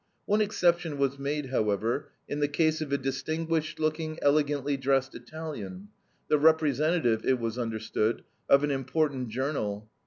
One exception was made, however, in the case of a distinguished looking, elegantly dressed Italian the representative, it was understood, of an important journal.